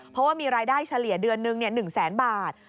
เพราะว่ามีรายได้เฉลี่ยเดือนหนึ่ง๑แสนบาท